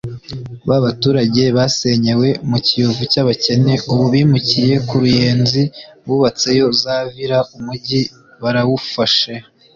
Ba baturage basenyewe mu Kiyovu cy’abakene ubu bimukiye ku Ruyenzi bubatseyo za villa umugi barawufashe